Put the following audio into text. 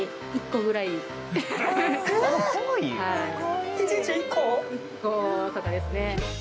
１個とかですね